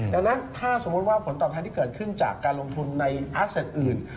ดังนั้นถ้าสมมุติว่าผลตอบแทนที่เกิดขึ้นจากการลงทุนในอาร์เซตอื่น